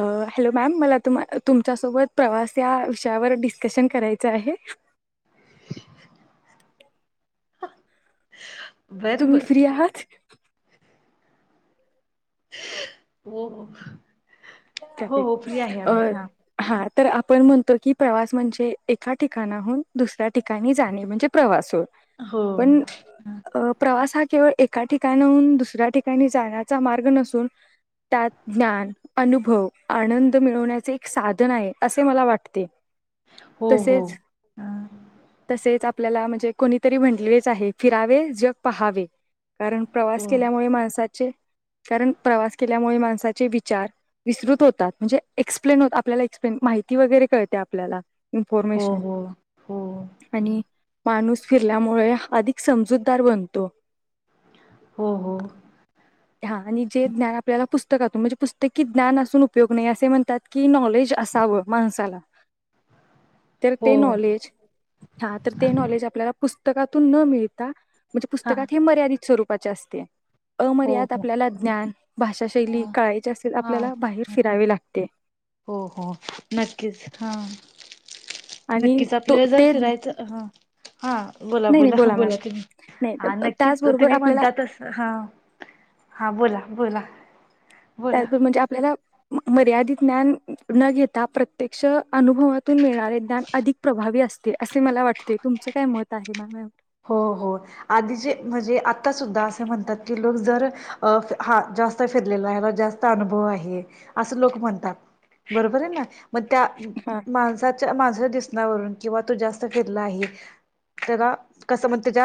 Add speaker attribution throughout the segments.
Speaker 1: अं hello ma'am, मला [inaudible] तुमच्या सोबत प्रवास या विषयावर डिस्कशन करायच आहे.
Speaker 2: बर
Speaker 1: तुम्ही
Speaker 2: बर
Speaker 1: फ्री आहात? [inaudible]
Speaker 2: हो
Speaker 1: त्यात
Speaker 2: हो हो फ्री आहे
Speaker 1: एक अ
Speaker 2: आम्ही हा
Speaker 1: हा तर आपण म्हणतो की, प्रवास म्हणजे एका ठिकाणाहून दुसऱ्या ठिकाणी जाणे म्हणजे प्रवास होय.
Speaker 2: हो
Speaker 1: पण अ प्रवासात केवळ एका ठिकाणाहून दुसऱ्या ठिकाणी जाण्याचा मार्ग नसून त्यात ज्ञान, अनु भव, आनंद मिळवण्याचे एक साधन आहे असे मला वाटते.
Speaker 2: हो हो
Speaker 1: तसेच
Speaker 2: हा
Speaker 1: तसेच आप आपल्याला म्हणजे कोणीतरी म्हंटलेलच आहे, फिरावे जग पहावे. कारण प्रवास
Speaker 2: हो
Speaker 1: केल्यामुळे माणसात चे कारण प्रवास केल्यामुळे माणसाचे विचार विस्तृत होतात म्हणजे एक्सप्लेन होत, आपल्याला एक्सप्लेन माहिती वगैरे कळते आपल्याला
Speaker 2: हो
Speaker 1: इन्फॉर्मेशन
Speaker 2: हो हो हो
Speaker 1: आणि माणूस फिरल्यामुळे अधिक समजूतदार बनतो.
Speaker 2: हो हो.
Speaker 1: हा आणि जे ज्ञान आपल्याला पुस्तकातून म्हणजे पुस्तकी ज्ञान असून उपयोग नाही, असे म्हणतात की नॉलेज असावं माणसाला तर ते
Speaker 2: हो
Speaker 1: नॉलेज, हा तर ते नॉलेज आपल्याला पुस् तकातून न मिळता मंजे
Speaker 2: हा
Speaker 1: पुस्तकात हे मर्यादित स्वरूप पाची असते.
Speaker 2: हो हो.
Speaker 1: अल ज्ञान भाषा शैली
Speaker 2: हा
Speaker 1: कळायची असेल,
Speaker 2: हा
Speaker 1: आपल्याला बाहेर फिरावे लागते.
Speaker 2: हो हो नक्कीच हा
Speaker 1: आणि
Speaker 2: नक्कीच
Speaker 1: तो
Speaker 2: आपल्याला जर
Speaker 1: ते
Speaker 2: फिरायचं ह, हा बोला
Speaker 1: नाही नाही
Speaker 2: बोला
Speaker 1: मॅम
Speaker 2: बोला तुम्ही,
Speaker 1: नाही
Speaker 2: हा नक्कीच त
Speaker 1: त्याचबरोबर
Speaker 2: तुम्ही
Speaker 1: आपल्याला
Speaker 2: म्हणता तस, हा हा बोला. बोला. बोला
Speaker 1: त्याचं म्हणजे आपल्याला म मर्यादित ज्ञान [unintelligible] न घेता, प्रत्यक्ष अनुभवातून मिळणारे ज्ञान अधिक प्रभावी असते असे मला वाटते, तुमचं काय मत आहे मॅम याव
Speaker 2: हो हो आधी जे म्हजे आता सुद्धा असं म्हणतात की लोक जर अ हा जास्त फिरलेला, ह्याला जास्त अनुभव आहे असं लोक म्हणतात, बरोबरये ना? म त्या
Speaker 1: हा
Speaker 2: [unintelligible] माणसाच्या माणसा दिस् नावरुन किंवा तो जास्त फिरला आहे, त्याला कसं म्हण तेज्या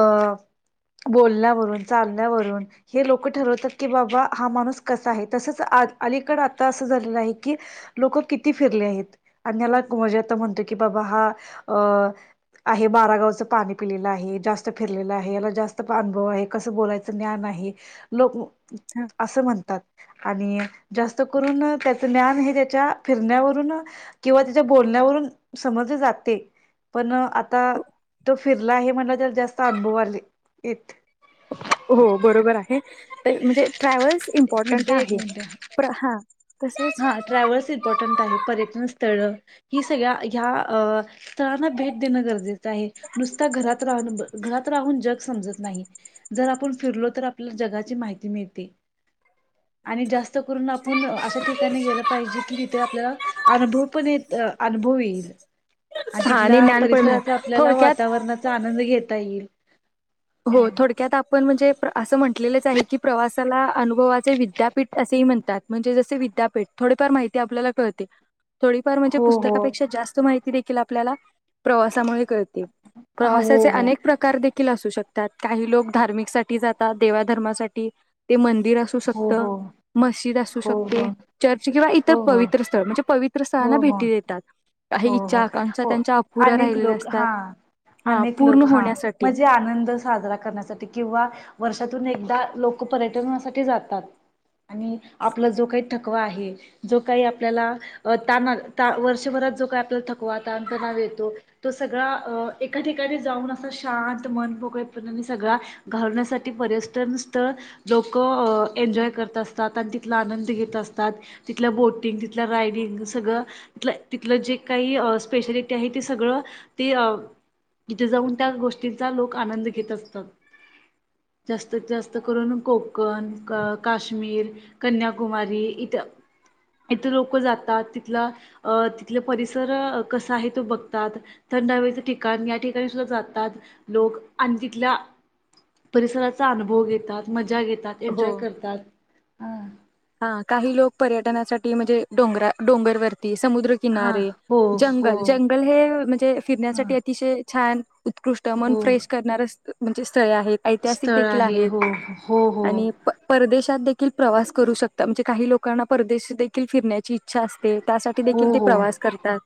Speaker 2: अ बोलण्यावरून, चालण्यावरून हे लोकं ठरवतात की बाबा हा माणूस कसा आहे, तसंच आज अलीकड आता असं झालेलं आहे की, लोक किती फिरले आहेत, अन्याला म्हजे आता म्हणतो की बाबा हा अ आहे, बारागावचं पाणी पिलेला आहे, जास्त फिरलेला आहे, याला जास्त पा अनुभव आहे, कसं बोलायचं ज्ञान आहे, लोक म
Speaker 1: हा
Speaker 2: असे म्हणतात. आणि जास्त करून त्याच ज्ञान हे त्याच्या फिरण्यावरून किंवा त्याच्या बोलण्यावरून समजल जातय, पण आता त्यो फिरला आहे म्हणलं, तर जास्त अनुभव आले. एक
Speaker 1: हो बरोबर आहे. म्हणजे ट्रॅव्हल्स
Speaker 2: मिनट
Speaker 1: इम्पॉर्टंट
Speaker 2: एक
Speaker 1: आहे
Speaker 2: मिनट
Speaker 1: हा, तसच
Speaker 2: हा, ट्रॅव्हल्स इम्पॉर्टंट आहे. [unintelligible] तळ, ही सगळ्या ह्या स्थळांना भेट देणं गरजेचं आहे. नुसता घरात राहून घरात राहुन जग समजत नाही. जर आपण फिरलो तर आपल्याला जगाची माहिती मिळते आणि जास्त करून आपुण अशा, ठिकाणी गेलं पाहिजे कि, तिथे आपल्याला अनुभव पण येत अनुभव येईल. आणि
Speaker 1: हा
Speaker 2: तिथला
Speaker 1: ज्ञान पण
Speaker 2: परिसराचा
Speaker 1: मिळेल
Speaker 2: आपल्याला
Speaker 1: थोडक्यात
Speaker 2: वातावरणाचा आनंद घेत ताई इल.
Speaker 1: हो, थोडक्यात आपण म्हणजे असं म्हटलेले. आहे की, प्रवासाला अनुभवाचे विद्यापीठ असेही म्हणतात. म्हणजे जसे विद्यापीठ थोडीफार माहिती आपल्याला कळते. थोडीफार म्हणजे,
Speaker 2: हो हो
Speaker 1: पुस्तकापेक्षा जास्त माहिती देखील आपल्याला प्रवासामुळे कळते.
Speaker 2: हो
Speaker 1: प्रवासाचे
Speaker 2: हो
Speaker 1: अनेक प्रकार देखील असू शक त्यात, काही लोक धार्मिक साठी जातात देवाधर्मासाठी. ते मंदिर असू
Speaker 2: हो
Speaker 1: शकत,
Speaker 2: हो
Speaker 1: मस्जिद असू
Speaker 2: हो
Speaker 1: शकते,
Speaker 2: हो
Speaker 1: चर्च किंवा इतर
Speaker 2: हो
Speaker 1: पवित्र स्थळ म्हणजे पवित्र स्थळांना
Speaker 2: हो हो
Speaker 1: भेटी देतात.
Speaker 2: हो
Speaker 1: काही इच्छा
Speaker 2: हो
Speaker 1: आकांक्षा
Speaker 2: हो
Speaker 1: त्यांच्या अपुऱ्या
Speaker 2: अनेक
Speaker 1: राहिलेल्या
Speaker 2: लोक हा,
Speaker 1: असतात हा
Speaker 2: अनेक
Speaker 1: पूर्ण
Speaker 2: लोक हा
Speaker 1: होण्यासाठी
Speaker 2: म्हणजे आनंदच साजरा करण्यासाठी किंवा वर्षातून एकदा लोक पर्यटनासाठी जातात. आणि आपला जो काही ठक हो आहे. जो काही आपल्याला तान आला, तान वर्षभरात जो काय, आपला थकवा तन तनाव येतो, तो सगळा एका ठिकाणी जाऊन, असा शांत मनमोकळेपणाने सगळा घालवण्यासाठी पर्यटन स्थळ लोक एन्जॉय करत असतात. आणि तिथला आनंद घेत असतात तिथल्या बोटिंग तिथल्या रायडिंग सगळं तिथलं तिथल जे काही स्पेशालिटी आहे. ते सगळं ते तिथे जाऊन त्या गोष्टींचा लोक आनंद घेत अस जास्तीत जास्त करुन कोकण काश कन्याकुमारी इथ, इथ लोक जातात तिथल अ तिथल परिसर कसा आहे तो बघतात. थंड हवेच ठिकाण, या ठिकाणी सुद्धा जातात. लोक आणि तिथल्या परिसराचा अनुभव घेतात मजा घेतात. तात एन्जॉय
Speaker 1: हो
Speaker 2: करतात.
Speaker 1: हा काही लोक पर्यटनासाठी म्हणजे, डोंगरा डोंगरवर ते
Speaker 2: हा
Speaker 1: समुद्रकिनारे
Speaker 2: हो हो
Speaker 1: जंगल, जंगल हे म्हणजे
Speaker 2: हा
Speaker 1: फिरण्यासाठी अतिशय, छान. उत्कृष्ट मन
Speaker 2: हो
Speaker 1: फ्रेश करणार अस म्हणजे स्ळे आहेत ऐतिहासिक
Speaker 2: स्थळ
Speaker 1: देखील
Speaker 2: आहे
Speaker 1: आहेत
Speaker 2: हो हो हो
Speaker 1: आणि परदेशात देखील प्रवास करू शक म्हणजे, काही लोकांना परदेश देखील फिरण्याची इच्छा असते. त्यासाठी
Speaker 2: हो
Speaker 1: देखील ते
Speaker 2: हो
Speaker 1: प्रवास करतात,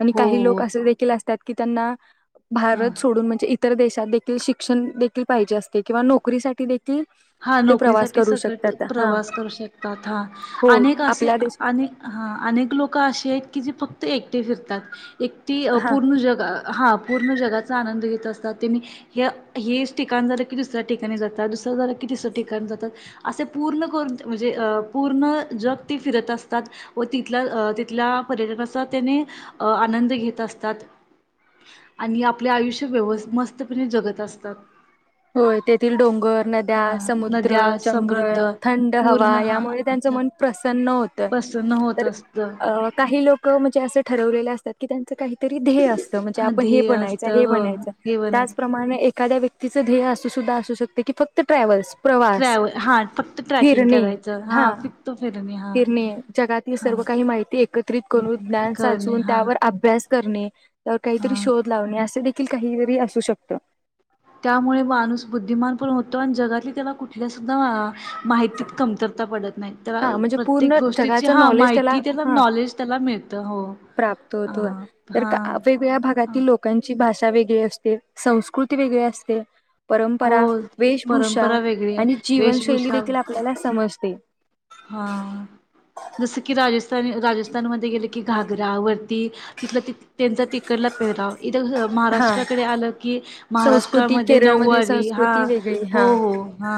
Speaker 1: आणि
Speaker 2: हो
Speaker 1: काही
Speaker 2: हो
Speaker 1: लोक असे देखील असतात. कि त्यांना,
Speaker 2: हां
Speaker 1: भारत सोडून म्हणजे ईत इतर देशात देखील शिक्षण देखील पाहिजे असतयं किंवा नोकरीसाठी देखी - - कि
Speaker 2: हा
Speaker 1: ते प्रवास
Speaker 2: नोकरीसाठी
Speaker 1: करू
Speaker 2: सकट
Speaker 1: शकतात हा.
Speaker 2: प्रवास [unintelligible] हा
Speaker 1: हो
Speaker 2: अनेक असे
Speaker 1: आपल्या देश
Speaker 2: अनेक हा अनेक लोक अशी आहेत की जी फक्त - - एकटे फिरतात. एकती
Speaker 1: हा
Speaker 2: पूर्ण जग हा पूर्ण जगाचा आनंद घेत [unintelligible] हेच ठिकाण झालं कि दुसऱ्या ठिकाणी जातात दुसर झा तिसर्या ठिकाण जातात असे पूर्ण करून म्हणजे अ पूर्ण जग ते फिरत असतात व तिथल्या अ तिथल्या पर्यटकचा त्यानी अ आनंद घेत असतात आणि आपले आयुष्य व्यवस् मस्तपणे जगत असतात.
Speaker 1: होय. तेथील डोंगर, नद्या
Speaker 2: हा
Speaker 1: - - समुद्र,
Speaker 2: नद्या समृद्ध
Speaker 1: जंगल, थंड
Speaker 2: पूर्ण
Speaker 1: हवा
Speaker 2: हा
Speaker 1: यामुळे त्यांच
Speaker 2: आता
Speaker 1: मन प्रसन्न होत.
Speaker 2: प्रसन्न होत
Speaker 1: तर
Speaker 2: असत
Speaker 1: तर काही लोक म्हणजे अस ठर [unintelligible] कि त्यांच - - काहीतरी ध्येय असत म्हणजे आपण हे
Speaker 2: ध्येय
Speaker 1: बनायच
Speaker 2: असत
Speaker 1: हे
Speaker 2: हो
Speaker 1: बनायच
Speaker 2: हे
Speaker 1: त्याच
Speaker 2: बनायच
Speaker 1: प्रमाणे एखाद्या व्य - - तिच ध्येय अस सुद्धा असू शकते की फक्त ट्रॅव्हल्स. प्रवास
Speaker 2: ट्रॅवल हा फक्त ट्रॅकिंग करायचं हा फक्त फिरत - -
Speaker 1: फिरणे जगातील सर्व काही माहिती एकत्रित करून ज्ञान
Speaker 2: करणे
Speaker 1: साचून
Speaker 2: हा
Speaker 1: त्यावर अभ्यास करणे त्यावर काहीतरी
Speaker 2: हा
Speaker 1: शोध लावणे असे दे - - [unintelligible] काहीजरी असू शकत.
Speaker 2: त्यामुळे माणूस बुद्धिमान पूर्ण होतो आणि जगातली त्याला कुठल्याच - - [unintelligible] माहितीत कमतरता पडत - -
Speaker 1: हा म्हणजे पूर्ण जगाच नॉलेज त्याला
Speaker 2: माहिती
Speaker 1: ह
Speaker 2: नॉलेज त्याला मिळतं हो
Speaker 1: प्राप्त होतो तर
Speaker 2: हा
Speaker 1: वेगगळ्या
Speaker 2: हा
Speaker 1: भागातील लोकांची भाषा - - षा वेगळी असते. संस्कृती वेगळी असते.
Speaker 2: हो
Speaker 1: परंपरा, वेशभूषा
Speaker 2: परंपरा वेगळी
Speaker 1: आणि
Speaker 2: आहे
Speaker 1: जीवनशैली
Speaker 2: वेशभूषा
Speaker 1: देखील आपल्याला समजते.
Speaker 2: हा जस की राजस्थनी राजस्थानमध्ये गेले की घागरा व - - रति तिथ त्यांचा तिकडला पहराव इत
Speaker 1: हा
Speaker 2: महाराष्ट्राकडे आलं की
Speaker 1: संस्कृती
Speaker 2: महाराष्ट्रामध्ये
Speaker 1: केरळमधील
Speaker 2: नऊवारी. हा
Speaker 1: संस्कृती वेगळी
Speaker 2: हो
Speaker 1: हा
Speaker 2: हो हा.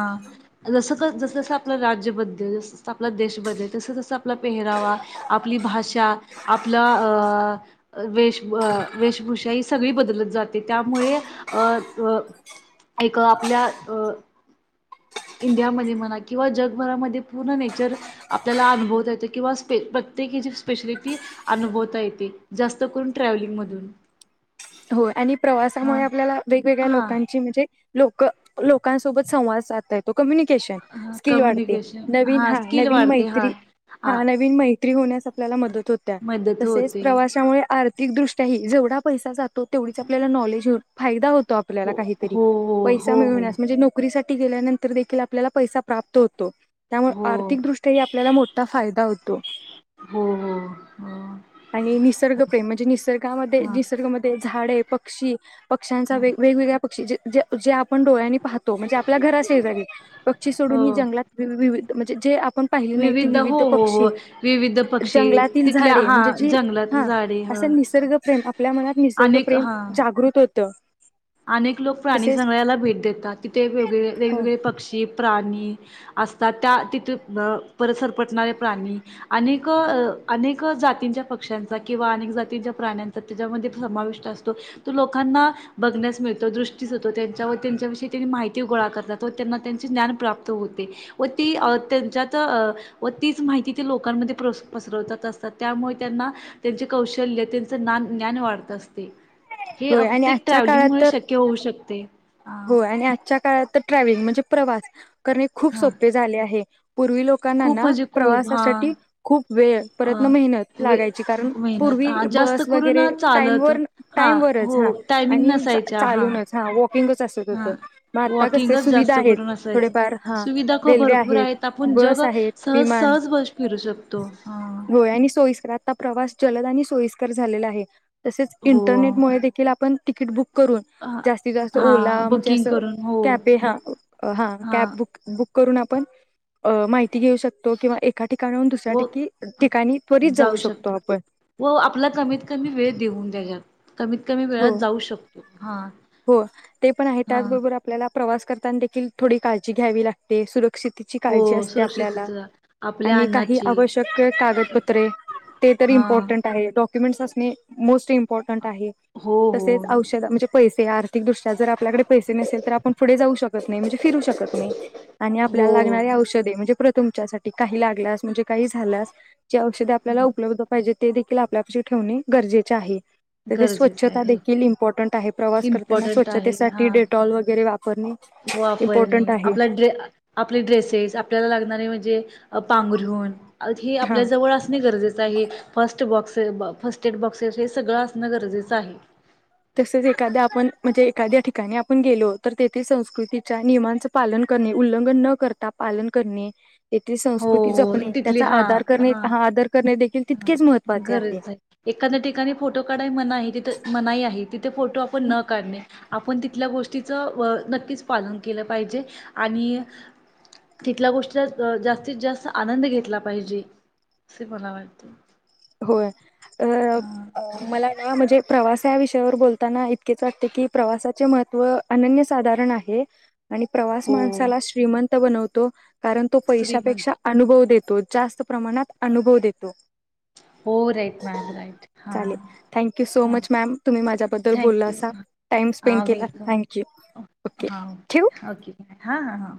Speaker 2: जसं जसं आपलं राज्यबद्दल आपला देश बदल तस तस आपला पेहरावा आपला भाषा आपला अ वेश वेशभूषा ही सगळी बदलत जाते त्यामुळे अ अ एक आपल्या अ इंडियामध्ये म्हणा किंवा जगभरामध्ये - - पूर्ण नेचर आपल्याला अनुभवता येते किंवा प्रत्येकीची स्पेशलिटी अनुभवता येते जास्त करून ट्रॅव्हलिंग मधून
Speaker 1: हो आणि प्रवासामुळे आपल्याला वेगवेगळ्या
Speaker 2: हा
Speaker 1: लोकांची म्हणजे - लोक लोकांसोबत संवाद साधता येतो. कम्युनिकेशन
Speaker 2: हा
Speaker 1: स्किल वाढते
Speaker 2: कम्युनिकेशन
Speaker 1: नवीन हा
Speaker 2: स्किल
Speaker 1: नवीन
Speaker 2: वाढते हा
Speaker 1: मैत्री हा नवीन मैत्री होण्यास आपल्याला मदत होत
Speaker 2: मदत
Speaker 1: तसेच
Speaker 2: होते
Speaker 1: प्रवासामुळे आर्थिकदृष्ट्याही जेवढा पैसा जातो. तेवढीच आपल्याला नॉलेज होऊन फायदा होत - - तो आपल्याला
Speaker 2: हो
Speaker 1: काहीतरी
Speaker 2: हो
Speaker 1: पैसा
Speaker 2: हो हो
Speaker 1: मिळवण्यास म्हणजे नोकरी सा - - गेल्यानंतर देखील आपल्याला पैसा प्राप्त होतो. त्यामुळे
Speaker 2: हो
Speaker 1: आर्थिकदृष्ट्याही आपल्याला मोठा फायदा होतो
Speaker 2: हो हो हो
Speaker 1: आणि निसर्गप्रेम म्हणजे निसर्गामध्ये
Speaker 2: हो
Speaker 1: निसर्गमध्ये - - झाडे पक्षी पक्ष्यांचा
Speaker 2: हा
Speaker 1: वेग वेगवेगळ्या पक्षी जे जे जे आपण डोळ्यांनी पाहतो म्हणजे आपल्या घराशेजारी पक्षी
Speaker 2: हो
Speaker 1: सोडून ही जंगलात वि वि म्हणजे जे आप पण पाहिली नाहीत ते
Speaker 2: हो
Speaker 1: विविध
Speaker 2: हो हो
Speaker 1: पक्षी
Speaker 2: विविध पक्षी
Speaker 1: जंगलातील
Speaker 2: तिथल्या
Speaker 1: झाडे
Speaker 2: हा
Speaker 1: म्हणजे जी
Speaker 2: जंगलातली
Speaker 1: हा
Speaker 2: झाडे ह
Speaker 1: असे निसर्ग प्रेम आपल्या मनात निस
Speaker 2: अनेक
Speaker 1: प्रेम
Speaker 2: हा
Speaker 1: जागृत होत त.
Speaker 2: अनेक लोक प्राणी संग्रायाला भेट देतात तिथे एक वेगळे वेगवेगळे पक्षी प्राणी असतात त्या तिथे मं परत सरपटणारे प्राणी अनेक अनेक जातींच्या पक्ष्यांचा किंवा अनेक जातींच्या प्राण्यांचा त्याच्यामध्ये समाविष्ट असतो तो लोकांना बघण्यास मिळतो दृष्टीस होतो. त्यांच्या व त्यांच्याविषयी त्यांनी माहिती गोळा करतात व त्यांना त्यांचे ज्ञान प्राप्त होते व ती त्यांच्यात अ व तीच माहिती ते लोकांमध्ये प्रो पसरवत असतात त्यामुळे त्यांना त्यांचे कौशल्य त्यांच नान ज्ञान वाढत असते. हे फक्त एक
Speaker 1: च्या काळात
Speaker 2: ट्रॅव्हलिंगमुळे
Speaker 1: तर
Speaker 2: शक्य होऊ शकते. अ
Speaker 1: होय आणि आजच्या काळात तर ट्रॅ मेन म्हणजे प्रवास करणे खूप
Speaker 2: हा.
Speaker 1: सोपे झाले आहे. पूर्वी
Speaker 2: खूप
Speaker 1: लोकांनाना
Speaker 2: म्हणजे खूप हा
Speaker 1: प्रवासासाठी खूप वेळ
Speaker 2: अ
Speaker 1: परत न मेहनत
Speaker 2: वे
Speaker 1: लागायची कारण
Speaker 2: मेहनत
Speaker 1: पूर्वी
Speaker 2: हा जास्त
Speaker 1: बस
Speaker 2: करून
Speaker 1: वगैरे टाईम
Speaker 2: चालत
Speaker 1: वर
Speaker 2: हा
Speaker 1: टाईम वरच हा
Speaker 2: हो टायमिंग
Speaker 1: आणि चा
Speaker 2: नसायच्या
Speaker 1: चालूनच हा वॉक
Speaker 2: हा वॉकिंगच
Speaker 1: सुविधा
Speaker 2: जास्त
Speaker 1: आहेत
Speaker 2: करून असायच
Speaker 1: थोडेफार हा
Speaker 2: सुविधा ख
Speaker 1: रेल्वे
Speaker 2: भरपूर आहेत आपण जग
Speaker 1: बस आहेत
Speaker 2: सहज
Speaker 1: विमान
Speaker 2: सहज बस फिरू शकतो. हा
Speaker 1: ता प्रवास जलद आणि सोयीस्कर झालेला आहे. तसेच इंट
Speaker 2: हो
Speaker 1: इंटरनेटमुळे देखील आपण टिकीट बुक करून जास्तीत जास्त
Speaker 2: हा
Speaker 1: ओला म्हणजे
Speaker 2: बुकिंग
Speaker 1: अस
Speaker 2: करून हो
Speaker 1: कॅफे हा
Speaker 2: हा
Speaker 1: कॅब बुक बुक करुन आपण अ माहिती घेऊ शकतो किंवा एक
Speaker 2: व
Speaker 1: त्वरित
Speaker 2: जाऊ
Speaker 1: शकतो
Speaker 2: शकतोय
Speaker 1: आपण
Speaker 2: व आपला कमीत कमी वेळ देऊन त्याज्यात कमीत कमी
Speaker 1: हो
Speaker 2: वेळात जाऊ शकतो.
Speaker 1: हो ते पण आहे.
Speaker 2: हा
Speaker 1: त्याचबरोबर आपल्याला प्रवास करताना देखील थोडी काळजी घ्यावी लागते. सुरक क्षेतेची काळजी
Speaker 2: हो
Speaker 1: असते. आपल्याला
Speaker 2: सुरक्षितता आपल्या
Speaker 1: आणि काही
Speaker 2: अन्नाची
Speaker 1: आवश्यक कागदपत्रे ते तर
Speaker 2: हा
Speaker 1: इम्पॉर्टन्ट आहे. डॉक कमेंट्स अस मोस्ट इम्पॉर्टन्ट आहे,
Speaker 2: हो हो
Speaker 1: तसेच औषध म्हणजे पैसे तयार दुसर आपल्याडे पैसे न तर आपण पुढे जाऊ शकत नाही, म्हणजे फिरू शकत नाही आणि
Speaker 2: हो
Speaker 1: आपल्याला लागणारे औषधे म्हणजे प्रत्येक तुमच्यासाठी काही लागल्यास म्हणजे काही झाल्यास. औषधे आपल्याला उपलब्ध पाहिजे. ते देखील आपल्यापाशी ठेवणे गरजेचे आ हे. तर ते
Speaker 2: गरजेचं
Speaker 1: स्वच्छता
Speaker 2: आहे
Speaker 1: देखील इम्पॉर्टंट आहे, प्रवास करताना स्वच्छतेसाठी डेटॉल वगैरे वापरणे
Speaker 2: वापरणे
Speaker 1: इम्पॉर्टंट आहे
Speaker 2: आपला ड्रेसेस आपल्याला ला म्हणजे, पांघरून हे
Speaker 1: हा
Speaker 2: आपल्या जवळ असणे गरजेच. First box first aid boxes हे सगळं, असंण गरजेचं आहे.
Speaker 1: तसच एखाद्या आपण म्हणजे एखाद्या ठिकाणी आपण गेलो तर तेथे संस्कृतीच्या नियमांच पालन करणे उल्लंघन न करता पालन करणे. तेथील
Speaker 2: हो
Speaker 1: संस्कृती
Speaker 2: हो
Speaker 1: जपणे
Speaker 2: तिथली
Speaker 1: त्याचा
Speaker 2: हा
Speaker 1: आदर करणे, हा आदर करणे देखील.
Speaker 2: हा
Speaker 1: तितकेच महत्त्वाचे
Speaker 2: गरज आहे. एखाद्या ठिकाणी फोटो काढाय मनाई आहे तिथं मनाई, तिथे फोटो आपण न काढणे आपण तिथल्या गोष्टीच नक्कीच पालन केलं पाहिजे आणि तिथल्या गोष्टीचा जास्तीत जास्त आनंद घेतला पाहिजे असे. मला वाट [unintelligible]
Speaker 1: होय. अ मला ना म्हणजे प्रवास या विषयावर बोलताना इतकेच वाटते की प्रवासाचे महत्त्व अनन्य साधारण आहे. आणि प्रवास
Speaker 2: हो.
Speaker 1: माणसाला श्रीमंत. बनवतो. कारण तो पैशापेक्षा
Speaker 2: श्रीमंत
Speaker 1: अनुभव देतो. तो जास्त प्रमाणात अनुभव देतो.
Speaker 2: हो राइट मॅम राइट हा
Speaker 1: चालेल थँक्यू सो
Speaker 2: हा हा,
Speaker 1: मच मॅम तुम्ही माझ्याबद्दल बोलला
Speaker 2: थक्यू
Speaker 1: असा टाइम स्पेंड
Speaker 2: का,
Speaker 1: केला
Speaker 2: वेलकम
Speaker 1: थँक्यू ओके ठेवू
Speaker 2: हओके हा हा.